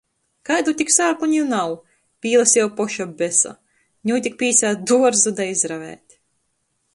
Kaidu tik sāklu niu nav! Pīlaseju poša besa, niu tik pīsēt duorzu, da izravēt.